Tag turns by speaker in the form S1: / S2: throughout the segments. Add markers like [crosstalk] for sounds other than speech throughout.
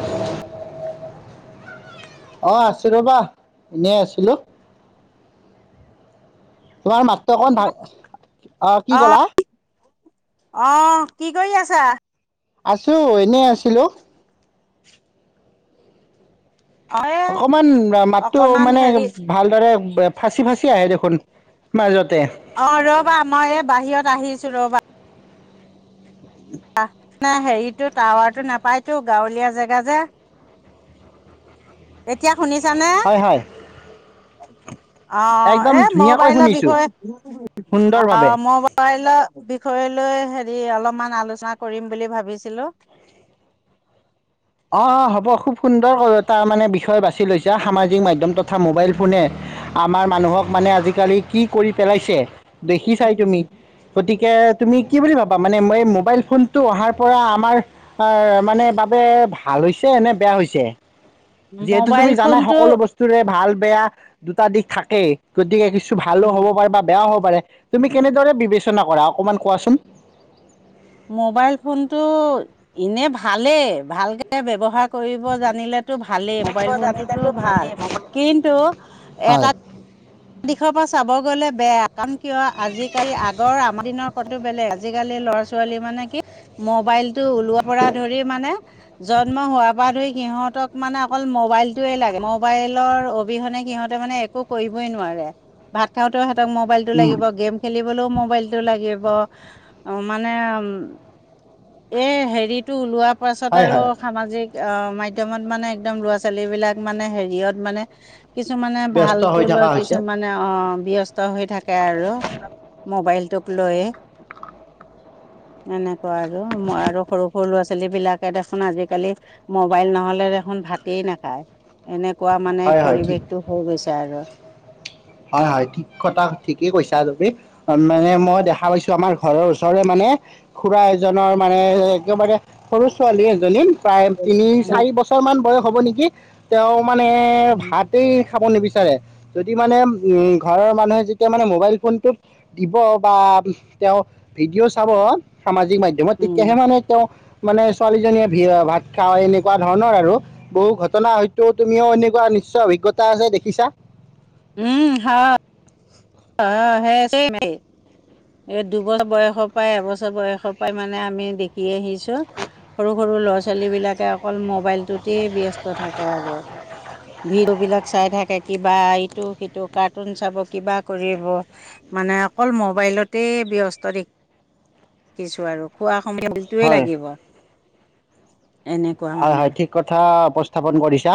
S1: উম
S2: অ আছো ৰ'বা এনেই আছিলো। তোমাৰ মাত তই অকমান ভাল অ কি কলা
S1: অহ কি কৰি আছা।
S2: আছো এনেই আছিলো।
S1: অ এ
S2: অকমান মাতটো
S1: অকনমান
S2: মানে
S1: হেৰি
S2: ভালদৰে ফাচি ফাচি আহে দেখোন। মাজত
S1: অ ৰবা মই এই বাহিৰত আহিছো ছো ৰবা নাই হেৰিটো টাৱাৰটো নাপায়তো গাঁৱলীয়া জেগা যে এতিয়া। শুনিছানে
S2: হয় হয়
S1: অ
S2: একদম
S1: এই
S2: ধুনীয়াকৈ
S1: ম'বাইল
S2: শুনিছো
S1: বিষয়ে
S2: সুন্দৰভাৱে
S1: ম'বাইল বিষয়ে লৈ হেৰি অলপমান আলো চনা কৰিম বুলি ভাবিছিলো
S2: অ হ'ব খুব সুন্দৰকৈ এটা মানে বিষয় বাছি লৈছা সামাজিক মাধ্যম তথা মোবাইল ফোনে আমাৰ মানুহক মানে আজিকালি কি কৰি পেলাইছে। দেখি চাই তুমি গতিকে তুমি কি বুলি ভাবা মানে এই মোবাইল ফোনটো অহাৰ পৰা আমাৰ মানে বাবে ভাল হৈছে নে বেয়া হৈছে যিহেতু
S1: মোবাইল
S2: তুমি জানাই
S1: ফোনটো
S2: সকলো বস্তুৰে ভাল বেয়া দুটা দিশ থাকে গতিকে কি কিছু ভালো
S1: উম
S2: হ'ব পাৰে বেয়াও হ'ব পাৰে তুমি কেনেদৰে বিবেচনা কৰা অকণমান কোৱাচোন
S1: মোবাইল ফোনটো এনে ভালেই ভালকে ব্যৱহাৰ কৰিব জানিলেতো ভালেই মোবাইল ফোনটোতো ভাল কিন্তু এটা
S2: হয়
S1: এক দিশৰ পৰা চাব গলে বেয়া কাৰণ কিয় আজিকালি আগৰ আমাৰ দিনৰ ফোনতো বেলেগ আজিকালি লৰা ছোৱালী মানে কি মবাইলতটো ওলোৱাৰ পৰা ধৰি মানে জন্ম হোৱাৰ পৰা ধৰি সিহঁতক মানে অকল মবাইলটোৱে লাগে মবাইলৰ অবিহনে মানে সিহঁতে মানে একো কৰিব ই নোৱাৰে ভাত খাওঁতেও সেহত ক মোবাইলতটো
S2: উম
S1: লাগিব গেম খেলিবলৈও মোবাইলটো লাগিব বা মানে এ হেৰিটো ওলোৱা পাছত
S2: হয়
S1: আৰু
S2: হয়
S1: সামাজিক অ মাধ্যমত মানে একদম ল'ৰা ছোৱালী বিলাক মানে হেৰিয়ত মানে কিছুমানে ভাল
S2: ব্যস্ত হৈ
S1: লৈ
S2: থকা হৈছে
S1: কিছুমানে অ অ ব্যস্ত হৈ থাকে তাকে আৰু মোবাইলটো লয় এনে আৰু মই আৰু সৰু সৰু আছো ল' ছোৱালী বিলাকে দেখোন আজিকালি মোবাইল নহলে দেখোন ভাতেই নাখায় এনে কোৱা মানে
S2: হয় হয় ঠিক
S1: পৰিৱেশটো হৈ গৈছে আৰু
S2: হয় হয় ঠিক কথা ঠিকেই কৈছা তমি মানে মই দেখা পাইছো আমাৰ ঘৰৰ ওচৰৰে মানে খুৰা এজনৰ মানে একেবাৰে সৰু ছোৱালী এজনী প্ৰায় তিনি চাৰি বছৰ মান বয়স হব নেকি তেওঁ মানে
S1: উম
S2: ভাতে খাব নিবিচ যদি মানে ঘৰৰ মানুহে যেতিয়া মানে মোবাইল ফোনটোত দিব বা তেওঁ ভিডিঅ' চাব স মাধ্যমত
S1: উম
S2: তেতিয়াহে মানে তেওঁ মানে ছোৱালীজনীয়ে ভ ভাত খাওঁ এনেকুৱা ধৰণৰ আৰু বহু ঘটনা হয়তো তুমিও এনেকুৱা নিশ্চয় অভিজ্ঞতা আছে দেখিছা
S1: উম হয়
S2: উম
S1: অ এই মেনকে দুবছৰ বয়সৰ পৰাই এবছৰ বয়সৰ পৰা মানে আমি দেখি আহিছো সৰু সৰু ল'ৰা ছোৱালী বিলাকে অকল মোবাইল মোবাইল টোতেই ব্যস্ত থাকে আৰু ভিডিঅ' বিলাক চাই থাকে কিবা ইটো সিটো কাৰ্টুন চাব কিবা কৰিব মানে অকল মোবাইলতে ব্যস্ত দেখিছো আৰু খোৱা সমীৰ সেটোৱেই
S2: হয়
S1: লাগিব এনেকুৱা
S2: হয়
S1: মানে
S2: হয় ঠিক কথা উপস্থাপন কৰিছা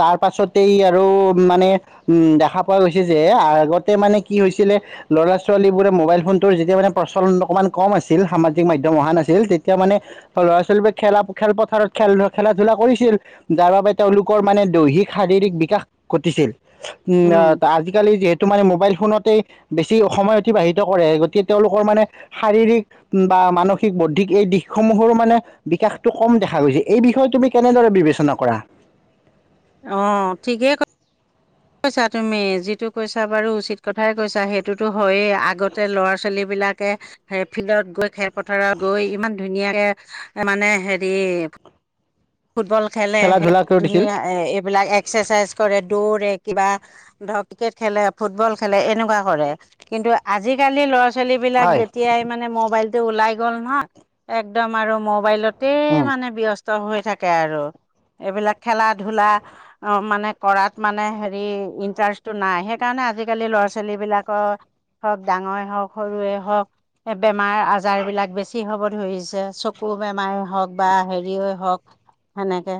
S2: তাৰ পাছতেই আৰু মানে উ দেখা পোৱা গৈছে যে আগতে মানে কি হৈছিলে ল'ৰা ছোৱালীবোৰে মোবাইল ফোনটোৰ যেতিয়া মানে প্ৰচলন অকণমান কম আছিল সামাজিক মাধ্যমত অহা নাছিল তেতিয়া মানে ল'ৰা ছোৱালীবো খেলা খেলপথাৰত খেল খেলা ধূলা কৰিছিল যাৰ বাবে তেওঁলোকৰ মানে দৈহিক শাৰীৰিক বিকাশ ঘটিছিল উম আজিকালি যিহেতু তোমাৰ এই মোবাইল ফোনতেই বেছি সময় অতিবাহিত কৰে গতিকে তেওঁলোকৰ মানে শাৰীৰিক বা মানসিক বৌদ্ধিক এই দিশসমূহৰো মানে বিকাশতটো কম দেখা গৈছে এই বিষয়ে তুমি কেনেদৰে বিবেচনা কৰা
S1: অ ঠিকেই কৈ কৈছা তুমি যিটো কৈছা বাৰু উচিত কথাই কৈছা সেইটোতো হয়েই আগতে ল'ৰা ছোৱালী বিলাকে ফিল্ডত গৈ খে পথাৰত গৈ ইমান ধুনীয়াকে মানে হেৰি ফুটবল খেলে
S2: খেলা
S1: সেই
S2: ধূলাক লৈ দিছিল
S1: ধুনীয়া এই বিলাকা এক্সচাইজ কৰে দৌৰে কিবা ধ ক্ৰিকেট খেলে ফুটবল খেলএনেকুৱা কৰে কিন্তু আজি ৱ ল'ৰা ছোৱালী বিলাক
S2: হয়
S1: যেতিয়াই মানে মোবাইল ওলাই গল হায় একদম আৰু মোবাইলত গোটেই
S2: উম
S1: মানে ব্যস্ত তো হৈ থাকে আৰু এইবিলাক খেলাত ধূলা মানে কৰাত মানে হেৰি ইণ্টাৰেষ্টটো নাই সেইকাৰণে আজিকালি ল'ৰা ছোৱালী বিলাকৰ হওঁক ডাঙৰে হওঁক সৰুৱে হওঁক বেমাৰ আজাৰবিলাক বেছি হ'ব ধৰিছে চকু বেমাৰে হওঁক বা হেৰিয়ে হওঁক সেনেকে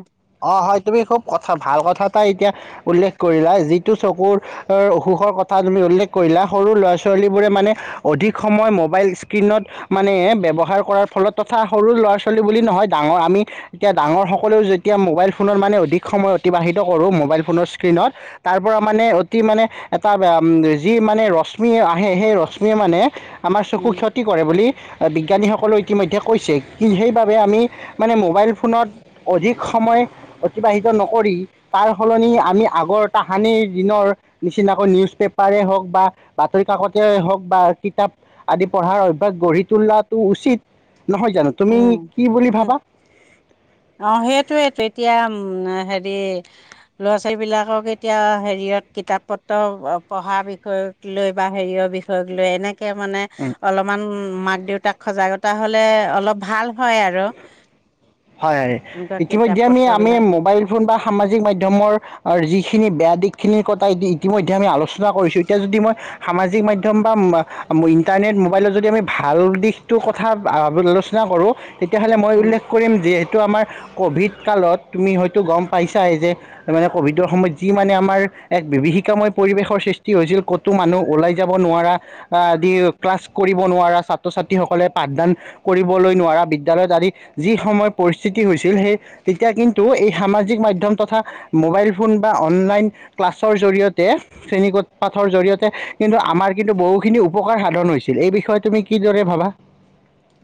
S2: অ হয় তুমি খুব কথা ভাল কথা এটাই এতিয়া উল্লেখ কৰিলা যিটো চকুৰ অসুখৰ কথা তুমি উল্লেখ কৰিলা সৰু ল'ৰা ছোৱালীবোৰে মানে অধিক সময় মোবাইল স্ক্ৰীণত মানে ব্যৱহাৰ কৰাৰ ফলত তথা সৰু ল'ৰা ছোৱালী বুলি নহয় ডাঙৰ আমি এতিয়া ডাঙৰ সকলো এতিয়া মোবাইল ফোনত মানে অধিক সময় অতিবাহিত কৰোঁ মোবাইল ফোনৰ স্ক্ৰীণত তাৰ পৰা মানে অতি মানে এটা যি মানে ৰশ্মি আহে সেই ৰশ্মিয়ে মানে আমাৰ চকু
S1: উম
S2: ক্ষতি কৰে বুলি বি বিজ্ঞানীসকলে ইতিমধ্যে কৈছে কি সেইবাবে আমি মানে মোবাইল ফোনত অধিক সময় অতিবাহিত নকৰি তাৰ সলনি আমি আগৰ তাহানিৰ দিনৰ নিচিনাকৈ নিউজ পেপাৰেই হওঁক বা বাতৰিকাকতে হওঁক বা কিতাপ আদি পঢ়াৰ অভ্যাস গঢ়ি তোলাটো উচিত নহয় জানো তুমি
S1: উম
S2: কি বুলি ভাবা?
S1: সেটোয়েটো এতিয়া উম হেৰি ল'ৰা ছোৱালী বিলাকক এতিয়া হেৰিয়ত কিতাপ পত্ৰ পঢ়া বিষয়ক লৈ বা হেৰিয়ৰ বিষয়ক লৈ এনেক কে মানে অলপমান মাক দেউতাক সজাগতা তাহ'লে অলপ ভাল হয় আৰু
S2: হয় হয়
S1: তেনেকুৱা কিতাপ
S2: ইতিমধ্যে আমি
S1: পত্ৰ
S2: আমি
S1: বিলাক
S2: মোবাইল ফোন বা সামাজিক মাধ্যমৰ যিখিনি বেয়া দিশ খিনিৰ কথা ইতিমধ্যে আমি আলোচনা কৰিছোঁ এতিয়া যদি মই সামাজিক মাধ্যম বা ইণ্টাৰনেট মোবাইলত যদি আমি ভাল দিশটোৰ কথা আলোচনা কৰোঁ তেতিয়াহলে মই
S1: উম
S2: উল্লেখ যিহেতু আমাৰ কভিড কালত তুমি হয়তো গম পাইছাই যে মানে ক'ভিডৰ সময়ত যি মানে আমাৰ এক বিভীষিকাময় পৰিৱেশৰ সৃষ্টি হৈছিল ক'তো মানুহ ওলাই যাব নোৱাৰা আদি ক্লাছ কৰিব নোৱাৰা ছাত্ৰ ছাত্ৰীসকলে পাঠদান কৰিবলৈ নোৱাৰা বিদ্যালয়ত আদি যি সময় পৰিস্থিতি হৈছিল সেই তেতিয়া কিন্তু এই সামাজিক মাধ্যম তথা মোবাইল ফোন বা অনলাইন ক্লাছৰ জৰিয়তে শ্ৰেণীকোট পাঠৰ জৰিয়তে কিন্তু আমাৰ কিন্তু বহুখিনি উপকাৰ সাধন হৈছিল এই বিষয়ে তুমি কিদৰে ভাবা?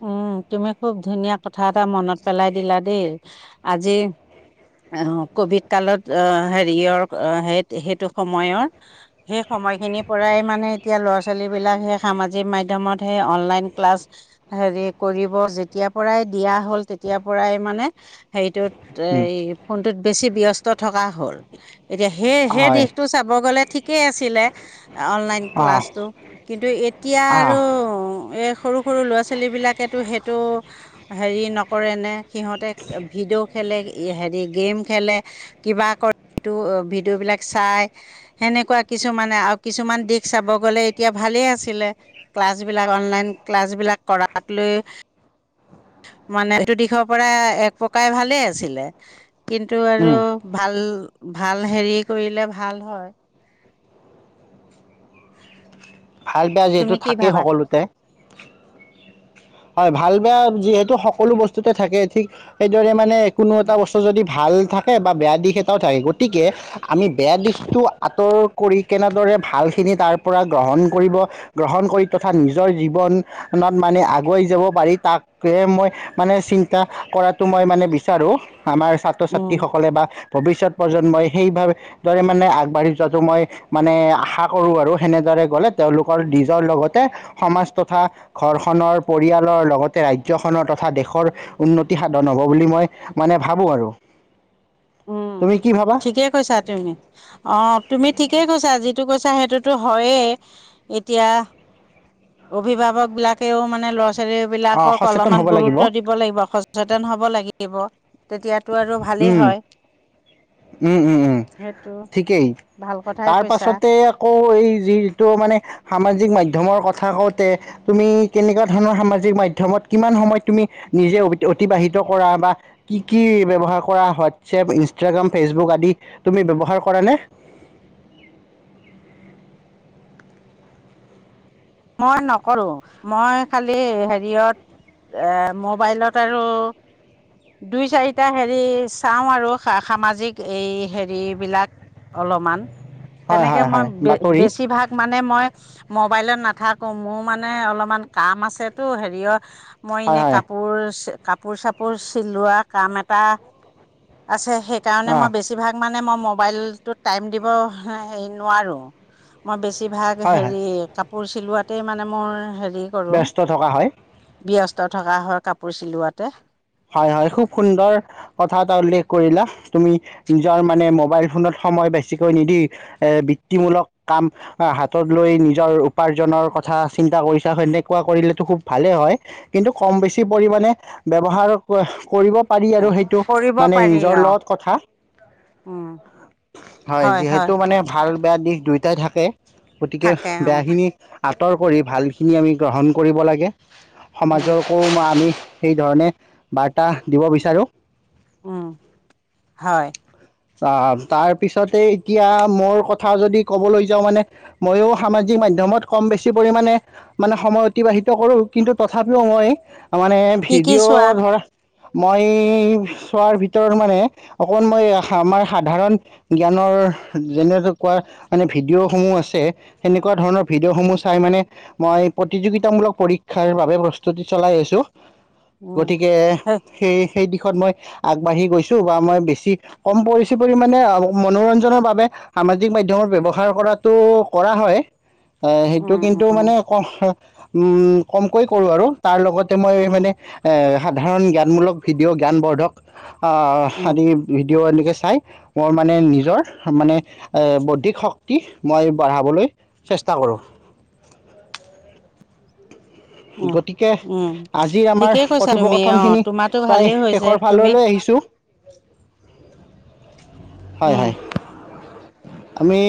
S1: উম তুমি খুব ধুনীয়া কথা কথা এটা মনত পেলাই দিলা দেই আজি কভিড কালত আহ হেৰিয়ৰ সেই সেইটো সময়ৰ সেই সময়খিনিৰ পৰাই মানে এতিয়া ল'ৰা ছোৱালী বিলাক সেই সামাজিক মাধ্যমত সেই অনলাইন ক্লাছ হেৰি কৰিব যেতিয়াৰ পৰাই দিয়া হ'ল তেতিয়াৰ পৰাই মানে হেটোত এ
S2: উম,
S1: এই ফোনটোত বেছি ব্যস্ত থকা হ'ল এতিয়া সেই সেই
S2: হয়
S1: দিশটো চাব গলে ঠিকেই আছিলে অনলাইন
S2: অঁ
S1: ক্লাছটো কিন্তু এতিয়া
S2: অঁ
S1: আৰু এই সৰু সৰু লৰা ছোৱালী ' ছোৱালীবিলাকেতো সেইটো হেৰি নকৰে নে সিহঁতে ভিডিঅ' খেলে হেৰী গেম খেলে কিবা ক তো ভিডিঅ বিলাক চাই, হেনেকোৱা কিছুমানে। আও কিছুমান দিশ চাব গ'লে এতিয়া ভালেই আছিলে, ক্লাছ বিলাক অনলাইন ক্লাছ বিলাক তাক লৈ মানে সেইটো দিশৰ পৰা এক প্ৰকাই ভালেই আছিলে কিন্তু আৰু ভাল ভাল হেৰি কৰিলে ভাল হয়
S2: ভাল বেয়া যিহেতু
S1: তুমি কি
S2: থাকেই
S1: ভাবা
S2: সকলোতে, হয় ভাল বেয়া তো সকলো বস্তুতে থাকে ঠিক সেইদৰে মানে কোনো এটা বস্তু যদি ভাল থাকে বা বেয়া দিশ এটাও থাকে গতিকে আমি বেয়া দিশটো আঁতৰ কৰি কেনেদৰে ভালখিনি তাৰ পৰা গ্ৰহণ কৰিব গ্ৰহণ কৰি তথা নিজৰ জীৱনত মানে আগুৱাই যাব পাৰি তাকে মই মানে চিন্তা কৰাটো মই মানে বিচাৰো আমাৰ ছাত্ৰ
S1: উম
S2: ছাত্ৰীসকলে বা ভৱিষ্যত প্ৰজন্মই সেইভাবে দৰে মানে আগবাঢ়ি যোৱাটো মই মানে আশা কৰোঁ আৰু সেনেদৰে গ'লে তেওঁলোকৰ নিজৰ লগতে সমাজ তথা ঘৰখনৰ পৰিয়ালৰ লগতে ৰাজ্যখনৰ তথা দেশৰ উন্নতি সাধন হ'ব বুলি মই মানে ভাবো আৰু
S1: উম
S2: তুমি কি ভাবা
S1: ঠিকে কৈছা তুমি অ তুমি ঠিকে কৈছা যি কৈছা সেইটোতো হয়ে এতিয়া অভিভাৱক বিলাকেও মানে ল'ৰা ছোৱালী
S2: অঁ
S1: বিলাকক
S2: সচেতন
S1: অলপমান
S2: হ'ব লাগিব
S1: গুৰুত্ব দিব লাগিব সচেতন হ'ব লাগিব তেতিয়াতো আৰু ভালেই
S2: উম,
S1: হয়
S2: উম উম উম
S1: সেইটো
S2: ঠিকেই
S1: ভাল কথাই
S2: তাৰ
S1: কৈছা
S2: পাছতে আকৌ এই যিটো মানে সামাজিক ক মাধ্যমৰ কথা কওঁতে তুমি কেনেকুৱা ধৰণৰ সামাজিক মাধ্যমত কিমান সময় তুমি নিজে অতিবাহিত কৰা বা কি ব্যৱহাৰ কৰা হোৱাটছএপ ইনষ্টাগ্ৰাম ফেচবুক আদি তুমি ব্যৱহাৰ কৰা নে?
S1: মই নকৰোঁ, মই খালি হেৰিয়ত এ মোবাইলত আৰু দুই চাৰিটা হেৰি চাওঁ আৰু সা সামাজিক এই হেৰি বিলাক অলপমান
S2: হয়
S1: তেনেকে
S2: হয়
S1: মই
S2: হয়
S1: বে
S2: বাতৰি
S1: বেছিভাগ মানে মই মবাইলত না নাথাকো, মোৰ মানে অলপমান কাম আছেতো হেৰিয়ৰ মই
S2: হয়
S1: এনে
S2: হয়
S1: কাপোৰ কাপোৰ চাপোৰ চিলোৱা কাম এটা আছে। সেইকাৰণে মই
S2: অঁ
S1: বেছিভাগ মানে ম'বাইল টো টাইম দিব হেৰি নোৱাৰো। বেছিভাগ
S2: হয় হয়
S1: হেৰি কাপ কাপোৰ চিলোৱাতেই মানে মোৰ হেৰি
S2: ব্যস্ত থকা হয়।
S1: স্ত থকা হয় কাপোৰ চিলোৱাতে।
S2: হয় হয় খুব সুন্দৰ কথা এটা উল্লেখ কৰিলা। তুমি নিজৰ মানে মোবাইল ফোনত সময় বেছিকৈ নিদি এ বৃত্তিমূলক কাম হাতত লৈ নিজৰ উপাৰ্জনৰ কথা চিন্তা কৰিছা, সেনেকুৱা কৰিলেতো খুব ভালেই হয় কিন্তু কম বেছি পৰিমণে ব্যৱহাৰ কৰিব পাৰি আৰু সেইটো
S1: কৰিব
S2: মানে
S1: পাৰি
S2: নিজৰ
S1: অ
S2: লগত কথা।
S1: উম হয়-হয়
S2: যিহেতু মানে ভাল বেয়া দিশ দুয়োটাই থাকে। গতিকে
S1: থাকে উম
S2: বেয়াখিনি আঁতৰ কৰি ভালখিনি আমি গ্ৰহণ কৰিব লাগে। সমাজৰ
S1: উম
S2: কোন আমি সেই ধৰণে। বাৰ্তা দিব বিচাৰো।
S1: উম হয়।
S2: আহ তাৰ পিছতে এতিয়া মোৰ কথা যদি কবলৈ যাওঁ মানে মইও সামাজিক মাধ্যমত কম বেছি পৰিমাণে মানে সময় অতিবাহিত কৰো কিন্তু তথাপিও মই মানে
S1: কি কি চোৱা
S2: ভিডিঅ' ধৰা মই চোৱাৰ ভিতৰত মানে অকমান মই আমাৰ সাধাৰণ জ্ঞানৰ যেনে কোৱা, মানে ভিডিঅ'সমূহ আছে সেনেকুৱা ধৰণৰ ভিডিঅ'সমূহ চাই মানে মই প্ৰতিযোগিতামূলক পৰীক্ষাৰ বাবে প্ৰস্তুতি চলাই আছোঁ।
S1: উম
S2: গতিকে
S1: হে
S2: সেই, সেই দিশত মই আগবাঢ়ি গৈছো বা মই বেছি কম পৰি ছি পৰিমানে মনোৰঞ্জনৰ বাবে সামাজিক মাধ্যমত ব্যৱহাৰ কৰাতটো কৰা হয়। এ সেইটো
S1: উম
S2: কিন্তু
S1: উম
S2: মানে ক অ উম কমকৈ কৰো আৰু তাৰ লগত মই
S1: উম
S2: মানে, এ সাধাৰণ জ্ঞানমূলক ভিডিঅ' জ্ঞান বৰ্ধক। অ
S1: উম
S2: আদি। দিঅ এনেকে চাই মই মানে নিজৰ মানে বৌদ্ধিক শক্তি, মই বঢ়াবলৈ চেষ্টা কৰো।
S1: উম
S2: গতিকে
S1: উম,
S2: আজিৰ আমাৰ,
S1: ঠিকেই কৈছা তুমি
S2: কথোপকথন
S1: অ
S2: খিনি
S1: তোমাৰতো
S2: প্ৰায়
S1: ভালেই হৈছে
S2: শেষৰ
S1: তুমি
S2: ফাললৈ আহিছো। [inaudible] হয়
S1: উম
S2: হয়। আমি।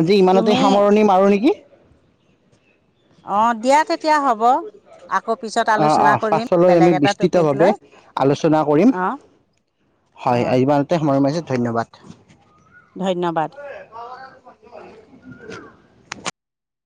S2: আজি ইমানতে
S1: তুমি
S2: সামৰণি মাৰো নেকি?
S1: অ দিয়া তেন্তে।
S2: অ অ
S1: কৰিম
S2: পাছলৈ
S1: বেলেগ
S2: আমি
S1: এটা
S2: বিস্তৃত
S1: টপিক
S2: ভাৱে
S1: লৈ
S2: আলোচনা কৰিম।
S1: অ
S2: হয়
S1: অ
S2: ইমানতে সামৰণি মাৰিছো। ধন্যবাদ।
S1: ধন্যবাদ।
S2: [inaudible]